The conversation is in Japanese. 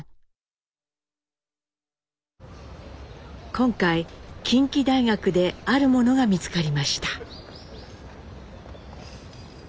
今回近畿大学であるものが見つかりました。